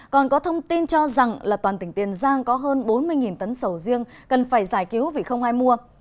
còn có thông tin cho rằng là toàn tỉnh tiền giang có hơn bốn mươi tấn sầu riêng cần phải giải cứu vì không ai mua